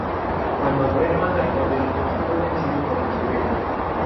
Cuando Breno atacó Delfos fue vencido por los griegos.